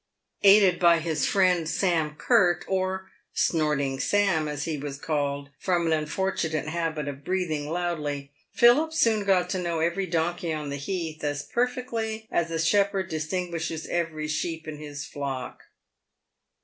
Aided by his friend Sam Curt — or Snorting Sam, as he was called from an unfortunate habit of breathing loudly — Philip soon got to know every donkey on the heath as perfectly as a shepherd distin guishes every sheep in his flock.